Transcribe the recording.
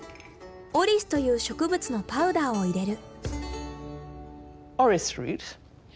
オリスという植物のパウダーを入れる。